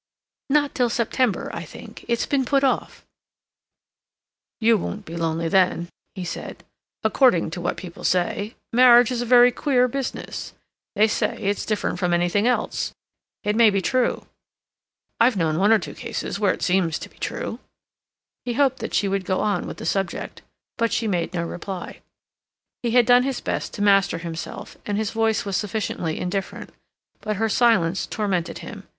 "Not till September, I think. It's been put off." "You won't be lonely then," he said. "According to what people say, marriage is a very queer business. They say it's different from anything else. It may be true. I've known one or two cases where it seems to be true." He hoped that she would go on with the subject. But she made no reply. He had done his best to master himself, and his voice was sufficiently indifferent, but her silence tormented him.